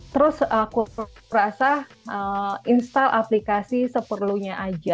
terus aku rasa install aplikasi seperlunya aja